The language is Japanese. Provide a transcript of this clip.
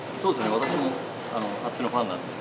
私もあっちのファンなんで。